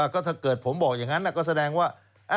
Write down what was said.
ก็ถ้าเกิดผมบอกอย่างงั้น